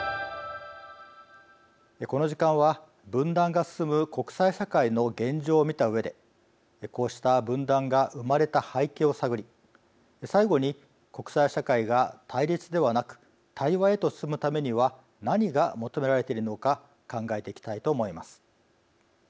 この時間は分断が進む国際社会の現状を見たうえでこうした分断が生まれた背景を探り最後に国際社会が対立ではなく対話へと進むためには何が求められているのか考えていきたいと思います。